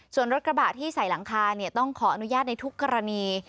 ส่วนรถกระบะที่ใส่หลังคาต้องขออนุญาตในทุกกรณี